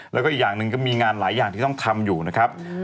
แล้วก็อีกอย่างหนึ่งก็มีงานหลายอย่างที่ต้องทำอยู่นะครับ